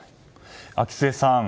秋末さん